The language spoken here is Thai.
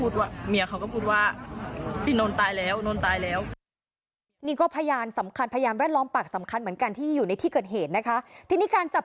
ที่นี่การจับจับจับ